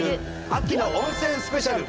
秋の温泉スペシャル。